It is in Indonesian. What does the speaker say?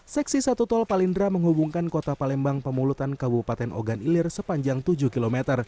seksi satu tol palindra menghubungkan kota palembang pemulutan kabupaten ogan ilir sepanjang tujuh km